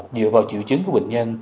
dựa vào triệu chứng của bệnh nhân